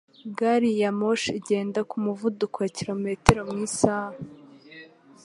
Gari ya moshi igenda ku muvuduko wa kilometero mu isaha.